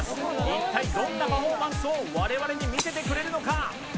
一体どんなパフォーマンスを我々に見せてくれるのか。